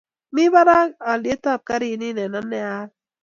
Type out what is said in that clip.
Mi barak olyetab garini eng ane aal